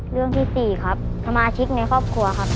เรื่องที่๔ครับสมาชิกในครอบครัวครับ